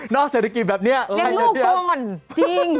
นอกเศรษฐกิจแบบนี้ไม่ใช่เรียกครับจริง